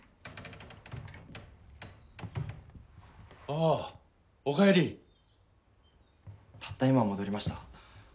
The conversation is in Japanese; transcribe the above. ああおかえりたった今戻りました